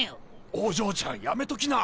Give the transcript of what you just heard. お嬢ちゃんやめときな。